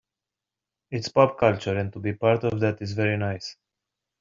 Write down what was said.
It's pop culture and to be part of that is very nice.